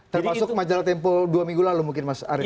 termasuk majelat tempuh dua minggu lalu mungkin mas arief